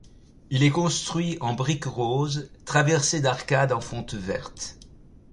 Il est construit en briques roses traversées d'arcades en fonte verte.